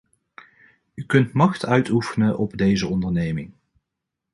U kunt macht uitoefenen op deze onderneming.